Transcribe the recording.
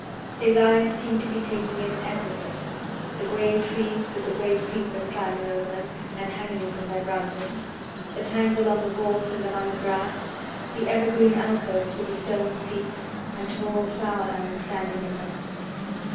His eyes seemed to be taking in everything—the gray trees with the gray creepers climbing over them and hanging from their branches, the tangle on the walls and among the grass, the evergreen alcoves with the stone seats and tall flower urns standing in them.